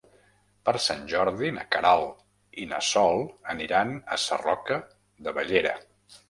Per Sant Jordi na Queralt i na Sol aniran a Sarroca de Bellera.